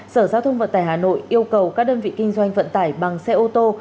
sở giao thông vận tải hà nội yêu cầu các đơn vị kinh doanh vận tải bằng xe ô tô